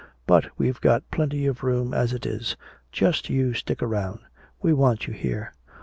"But we've got plenty of room as it is. Just you stick around. We want you here."